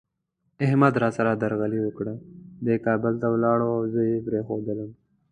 احمد را سره درغلي وکړه، دی کابل ته ولاړ او زه یې پرېښودلم.